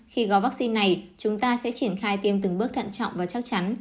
khi gói vaccine này chúng ta sẽ triển khai tiêm từng bước thận trọng và chắc chắn